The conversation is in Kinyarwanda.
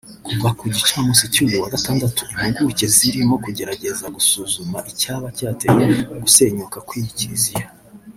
Kuva ku gicamunsi cy’uyu wa Gatandatu impuguke zirimo kugerageza gusuzuma icyaba cyateye ugusenyuka kw’iyi kiliziya